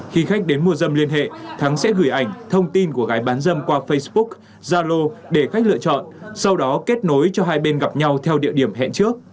khi khách đến mua dâm liên hệ thắng sẽ gửi ảnh thông tin của gái bán dâm qua facebook zalo để khách lựa chọn sau đó kết nối cho hai bên gặp nhau theo địa điểm hẹn trước